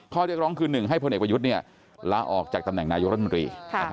ข้อเรียกร้องคือ๑ให้พลเอกประยุทธ์ลาออกจากตำแหน่งนายกรัฐมนตรี